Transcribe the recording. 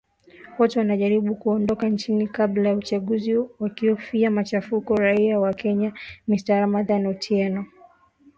"Watu wanajaribu kuondoka nchini kabla ya uchaguzi wakiofia machafuko,” raia wa Kenya Mr Ramadan Otieno alisema Jumatatu